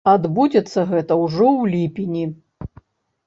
Адбудзецца гэта ўжо ў ліпені.